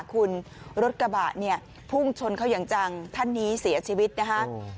คุณรถกระบะเนี่ยพุ่งชนเขาอย่างจังท่านนี้เสียชีวิตนะคะ